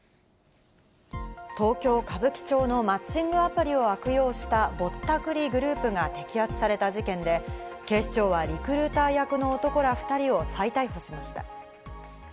東京・歌舞伎町のマッチングアプリを悪用したぼったくりグループが摘発された事件で、警視庁はリクルーター役の男ら２人を再逮捕しました。